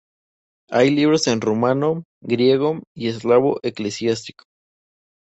Hay libros en rumano, griego y eslavo eclesiástico.